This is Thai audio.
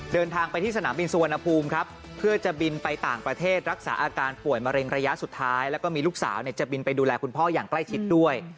เดินทางไปที่สนามบินสุวรรณภูมิครับเพื่อจะบินไปต่างประเทศรักษาอาการป่วยมะเร็งระยะสุดท้ายแล้วก็มีลูกสาวจะบินไปดูแลคุณพ่ออย่างใกล้ชิดด้วย